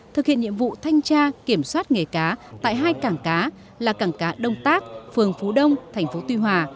thực hiện nhiệm vụ thanh tra kiểm soát nghề cá tại hai cảng cá là cảng cá đông tác phường phú đông tp tuy hòa